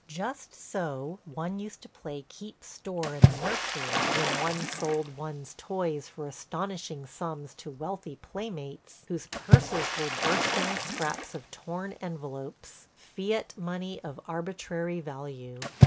Just so one used to play "keep store" in the nursery when one sold one's toys for astonishing sums to wealthy playmates whose purses were bursting with scraps of torn envelopes – fiat money of arbitrary value.